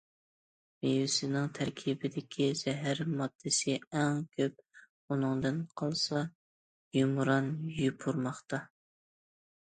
مېۋىسىنىڭ تەركىبىدىكى زەھەر ماددىسى ئەڭ كۆپ، ئۇنىڭدىن قالسا يۇمران يوپۇرماقتا.